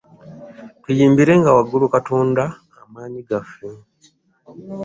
Tuyimbirenga waggulu Katonda amaanyi gaffe.